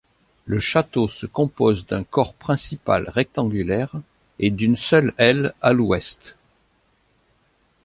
Le château se compose d'un corps principal rectangulaire et d'une seule aile à l'ouest.